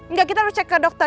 enggak kita harus cek ke dokter